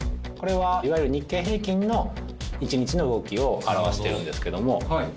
これはいわゆる日経平均の１日の動きを表してるんですけども。